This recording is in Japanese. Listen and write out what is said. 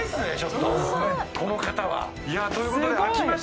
この方は。ということで。